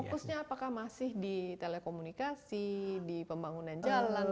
fokusnya apakah masih di telekomunikasi di pembangunan jalan